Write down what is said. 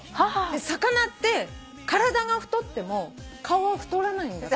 魚って体が太っても顔は太らないんだって。